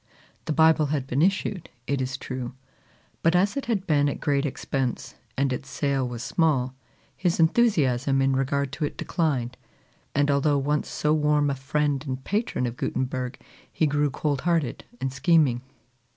The Bible had been issued, it is true; but as it had been at great expense, and its sale was small, his enthusiasm in regard to it declined; and although once so warm a friend and patron of Gutenberg, he grew cold hearted and scheming.